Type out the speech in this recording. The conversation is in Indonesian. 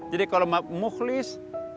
jadi kalau mukhlis